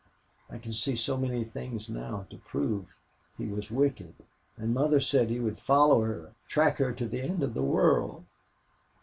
I can see so many things now to prove he was wicked.... And mother said he would follow her track her to the end of the world."